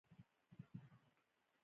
پر سر یې واوره ده.